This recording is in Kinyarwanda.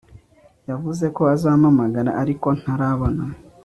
Yavuze ko azampamagara ariko ntarabona